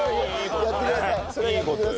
それはやってください。